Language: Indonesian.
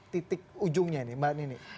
titik ujungnya nih mbak nini